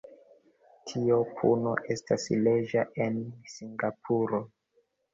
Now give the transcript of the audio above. Tia puno estas leĝa en Singapuro.